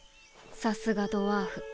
さすがドワーフ。